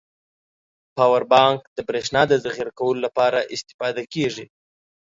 پاور بانک د بريښنا د زخيره کولو لپاره استفاده کیږی.